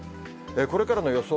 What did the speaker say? これからの予想